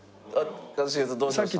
一茂さんどうしました？